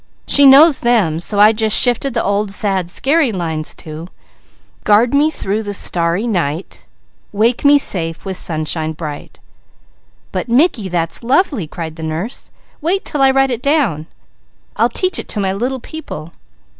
She knows them, so I just shifted the old sad, scary lines to: "Guard me through the starry night, Wake me safe with sunshine bright!" "But Mickey, that's lovely!" cried the nurse. "Wait till I write it down! I'll teach it to my little people.